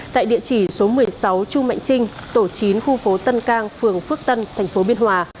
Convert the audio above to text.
tại địa chỉ số một mươi sáu chu mạnh trinh tổ chín khu phố tân cang phường phước tân thành phố biên hòa